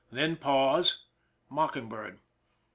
Then pause. Mocking bird.